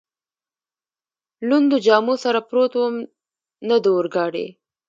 لوندو جامو سره پروت ووم، نه د اورګاډي.